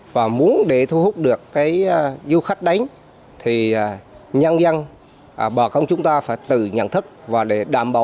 và muốn để thu hút được cái du khách đến thì nhân dân bà con chúng ta phải tự nhận thức và để đảm bảo